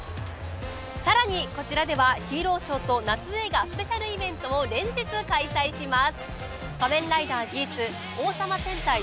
更に、こちらではヒーローショーと夏映画スペシャルイベントを連日開催します。